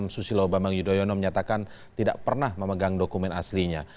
susilo bambang yudhoyono menyatakan tidak pernah memegang dokumen aslinya